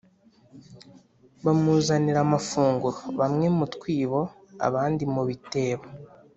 bamuzanira amafunguro : bamwe mu twibo, abandi mu bitebo